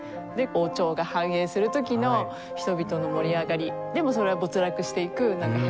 王朝が繁栄する時の人々の盛り上がりでもそれは没落していく儚さ。